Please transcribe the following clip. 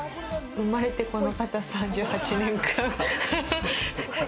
生まれてこの方３８年くらい。